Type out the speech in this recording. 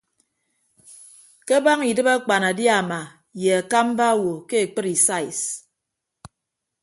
Ke abaña idịb akpanadiama ye akamba awo ke ekpri sais.